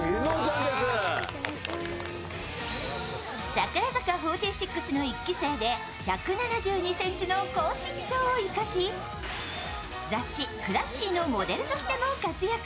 櫻坂４６の１期生で１７２ｃｍの高身長を生かし、雑誌「ＣＬＡＳＳＹ．」のモデルとしても活躍。